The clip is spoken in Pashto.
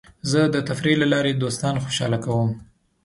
زه د تفریح له لارې دوستان خوشحاله کوم.